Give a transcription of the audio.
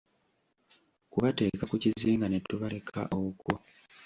Kubateeka ku kizinga ne tubaleka okwo?